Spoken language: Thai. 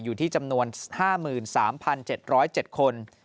อยู่ที่จำนวน๕๓๗๐๗คน